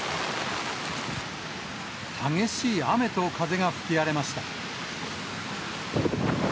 激しい雨と風が吹き荒れました。